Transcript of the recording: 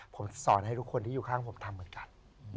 ผมสอนให้ทุกคนที่อยู่ข้างผมทำเหมือนกัน